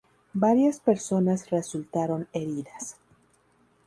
Varias personas resultaron heridas.